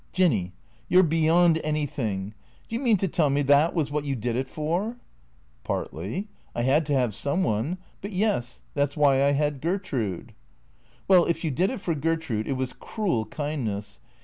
"Jinny, you're beyond anything. Do you mean to tell me that was what you did it for ?"" Partly. I had to have some one. But, yes, that 's why I had Gertrude." " Well, if you did it for Gertrude it was cruel kindness.